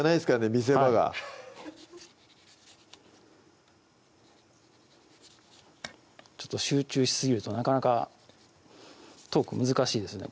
見せ場がちょっと集中しすぎるとなかなかトーク難しいですね